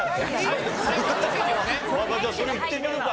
じゃあそれいってみるか。